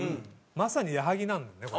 まさに矢作なんだよねこれね。